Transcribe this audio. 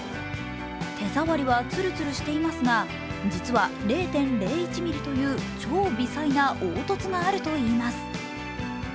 手触りはツルツルしていますが実は０．０１ｍｍという超微細な凹凸があるといいます。